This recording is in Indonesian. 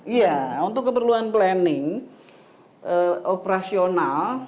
iya untuk keperluan planning operasional